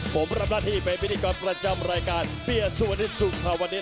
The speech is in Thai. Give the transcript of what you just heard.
ผมรับราธิไปพิธีกรประจำรายการเบียสุวรรณิสุพรวรรณิน